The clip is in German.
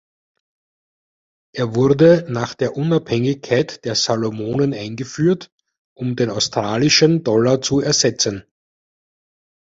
Er wurde nach der Unabhängigkeit der Salomonen eingeführt, um den australischen Dollar zu ersetzen.